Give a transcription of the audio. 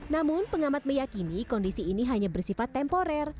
namun pengamat meyakini kondisi ini hanya bersifat temporer